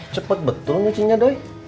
cepet betul nyucinya doi